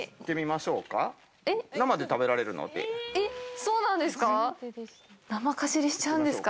そうなんですか？